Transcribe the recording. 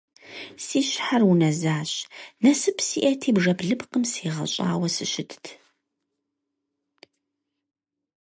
Си щхьэр унэзащ, насып сиӀэти бжэблыпкъым сегъэщӀауэ сыщытт.